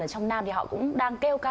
ở trong nam thì họ cũng đang kêu ca